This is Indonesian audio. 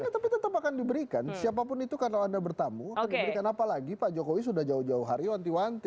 tapi tetap akan diberikan siapapun itu karena anda bertamu akan diberikan apa lagi pak jokowi sudah jauh jauh hari wanti wanti